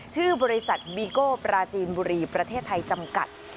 ชื่อบริษัทบีโก้ปราจีนบุรีประเทศไทยจำกัด